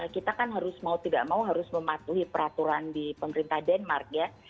kita kan harus mau tidak mau harus mematuhi peraturan di pemerintah denmark ya